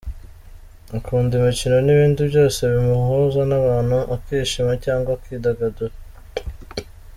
Akunda imikino n’ibindi byose bimuhuza n’abantu akishima cyangwa akidagadura.